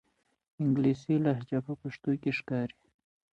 انګلیسي لهجه په پښتو کې ښکاري.